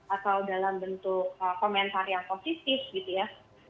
atau dalam bentuk komentar yang positif gitu ya